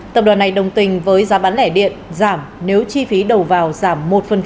tập đoàn này đồng tình với giá bán lẻ điện giảm nếu chi phí đầu vào giảm một